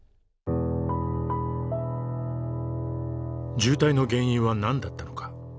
渋滞の原因は何だったのか。